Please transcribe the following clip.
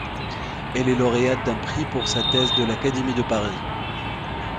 Elle est lauréate d’un prix pour sa thèse de l'Académie de Paris.